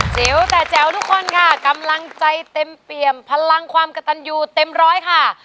จิ๋วแต่แจ๋วทุกคนค่ะกำลังใจเต็มเปี่ยมพลังความกระตันอยู่เต็มร้อยค่ะ